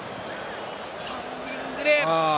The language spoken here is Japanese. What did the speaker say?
スタンディングで。